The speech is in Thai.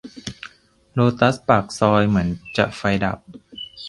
โลตัสปากซอยเหมือนจะไฟดับ